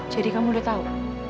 jadi kamu udah tahu